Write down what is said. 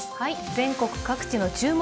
全国各地の注目